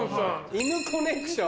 イヌコネクション？